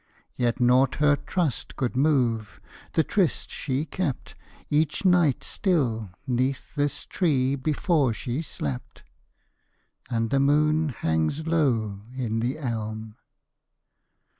Yet naught her trust could move; the tryst she kept Each night still, 'neath this tree, before she slept. _And the moon hangs low in the elm.